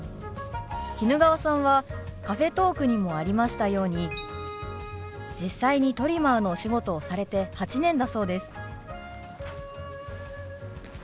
衣川さんはカフェトークにもありましたように実際にトリマーのお仕事をされて８年だそうです。